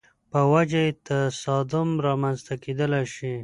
په وجه یې تصادم رامنځته کېدای شي.